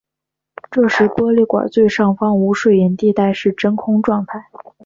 这时玻璃管最上方无水银地带是真空状态。